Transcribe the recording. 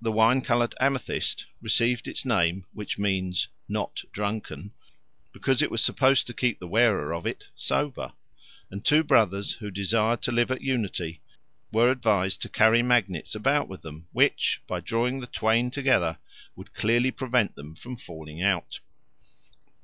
The wine coloured amethyst received its name, which means "not drunken," because it was supposed to keep the wearer of it sober; and two brothers who desired to live at unity were advised to carry magnets about with them, which, by drawing the twain together, would clearly prevent them from falling out.